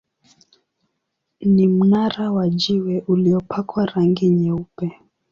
Ni mnara wa jiwe uliopakwa rangi nyeupe.